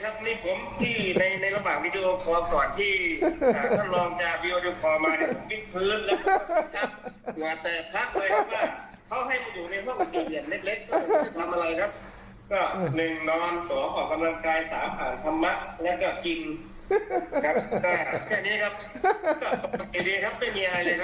โอเคครับไม่มีอะไรเลยครับ